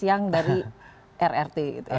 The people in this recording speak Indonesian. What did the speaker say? yang dari rrt